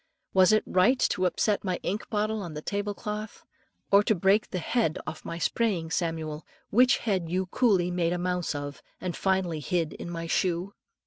Was it right to upset my ink bottle on the table cloth, or to break the head off my praying Samuel, which head you coolly made a mouse of, and finally hid in my shoe?